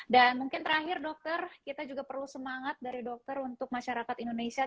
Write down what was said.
dan mungkin terakhir dokter kita juga perlu semangat dari dokter untuk masyarakat indonesia